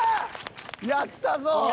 やったぞ。